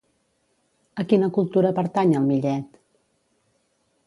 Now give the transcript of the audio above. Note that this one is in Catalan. A quina cultura pertany el Millet?